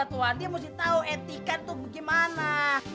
tuhan dia mesti tahu etika itu gimana